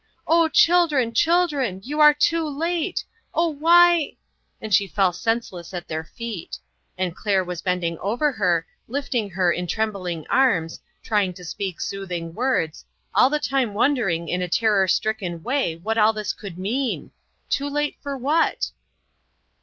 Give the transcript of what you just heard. "O, children, children, you are too late! Oh, why" and she fell senseless at their feet; and Claire was bending over her, lifting her in trem bling arms, trying to speak soothing words, all the time wondering in a terror stricken way what all this could mean ! Too late for what?